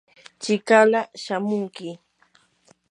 chikala shamunki.